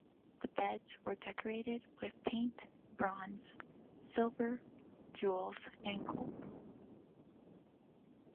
The beds were decorated with paint, bronze, silver, jewels and gold.